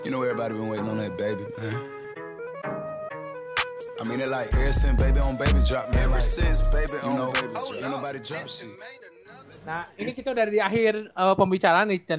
nah ini kita dari akhir pembicaraan nih chen